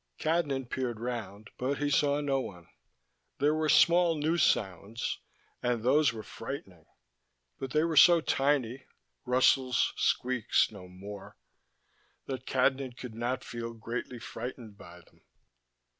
Cadnan peered round, but he saw no one. There were small new sounds, and those were frightening, but they were so tiny rustles, squeaks, no more that Cadnan could not feel greatly frightened by them.